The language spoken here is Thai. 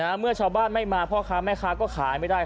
เมื่อชาวบ้านไม่มาพ่อค้าแม่ค้าก็ขายไม่ได้